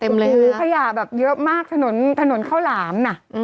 เต็มเลยเหรอคือขยะแบบเยอะมากถนนเข้าหลามน่ะ